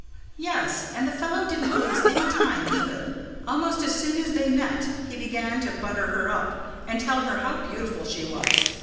"Yes, and the fellow didn't lose any time either. Almost as soon as they met, he began to butter her up, and tell her how beautiful she was.